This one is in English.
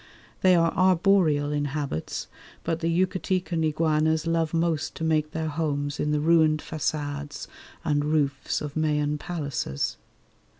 They are arboreal in habits, but the Yucatecan iguanas love most to make their homes in the ruined facades and roofs of Mayan palaces.